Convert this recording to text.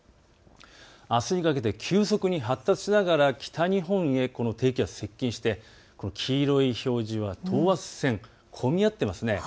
あすにかけて急速に発達しながら北日本へ低気圧が接近して、黄色い表示は等圧線、込み合ってますね。